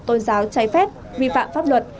tôn giáo cháy phép vi phạm pháp luật